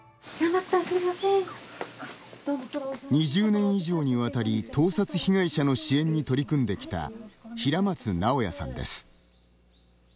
２０年以上にわたり盗撮被害者の支援に取り組んできた平松直哉さんです。